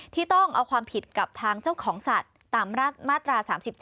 ที่ต้องเอาความผิดกับทางเจ้าของสัตว์ตามมาตรา๓๗